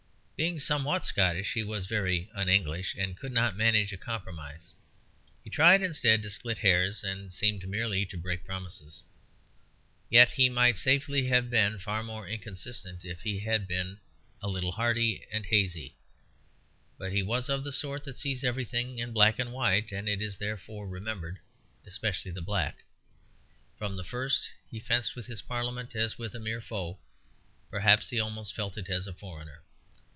Being somewhat Scottish, he was very un English, and could not manage a compromise: he tried instead to split hairs, and seemed merely to break promises. Yet he might safely have been far more inconsistent if he had been a little hearty and hazy; but he was of the sort that sees everything in black and white; and it is therefore remembered especially the black. From the first he fenced with his Parliament as with a mere foe; perhaps he almost felt it as a foreigner.